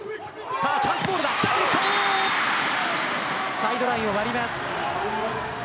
サイドラインを割ります。